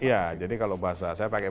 iya jadi kalau bahasa saya pakai